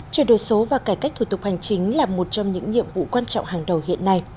chuyển đổi số và cải cách thủ tục hành chính là một trong những nhiệm vụ quan trọng hàng đầu hiện nay